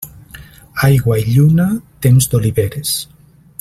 Aigua i lluna, temps d'oliveres.